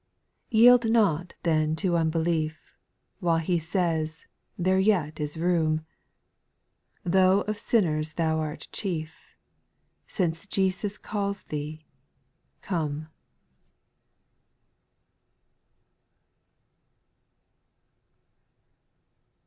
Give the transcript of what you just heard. Yield not then to unbelief, While He says " There yet is room," Tho' of sinners thou art chief. Since Jesus calls thee, come.